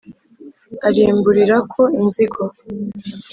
arimburirako inzigo